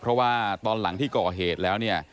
เพราะว่าตอนหลังที่ก่อเหตุแล้วเนี่ย